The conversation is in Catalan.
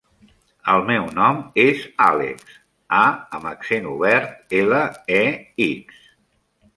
El meu nom és Àlex: a amb accent obert, ela, e, ics.